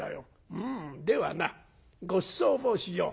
「うんではなごちそうをしよう」。